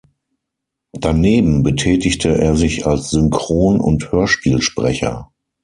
Daneben betätigte er sich als Synchron- und Hörspielsprecher.